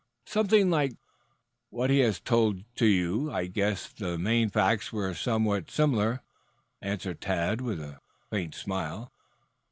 "Something like what he has told to you. I guess the main facts were somewhat similar," answered Tad with a faint smile.